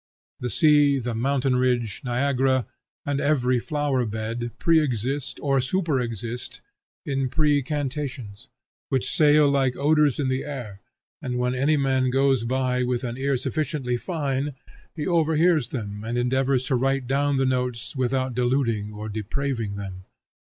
The sea, the mountain ridge, Niagara, and every flower bed, pre exist, or super exist, in pre cantations, which sail like odors in the air, and when any man goes by with an ear sufficiently fine, he overhears them and endeavors to write down the notes without diluting or depraving them.